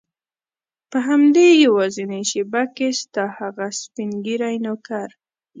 په همدې یوازینۍ شېبه کې ستا هغه سپین ږیری نوکر.